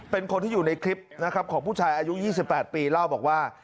เป็นคนที่อยู่ในคลิปนะครับของผู้ชายอายุ๒๘ปีเล่าบอกว่า